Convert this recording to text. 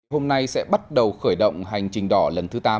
hôm nay sẽ bắt đầu khởi động hành trình đỏ lần thứ tám